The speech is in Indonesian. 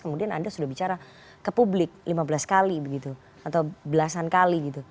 kemudian anda sudah bicara ke publik lima belas kali begitu atau belasan kali gitu